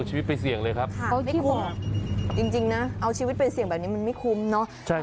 จริงนะเอาชีวิตเป็นเสี่ยงแบบนี้มันไม่คุ้มเนาะ